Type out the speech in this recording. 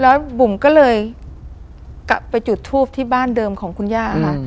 แล้วบุ๋มก็เลยกลับไปจุดทูปที่บ้านเดิมของคุณย่าค่ะ